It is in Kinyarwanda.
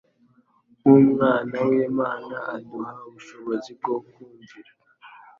nk'Umwana w'Imana aduha ubushobozi bwo kumvira.